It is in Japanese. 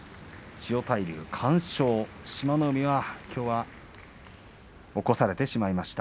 千代大龍、完勝志摩ノ海、きょうは起こされてしまいました。